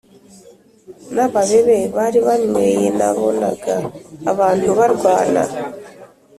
nababebe bari banyweyenabonaga abantu barwana